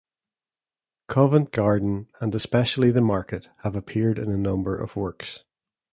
Covent Garden, and especially the market, have appeared in a number of works.